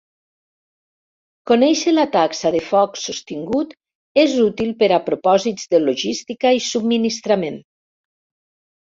Conèixer la taxa de foc sostingut és útil per a propòsits de logística i subministrament.